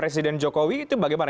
presiden jokowi itu bagaimana